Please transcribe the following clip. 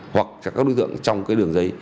hoặc các đối tượng trong đường dây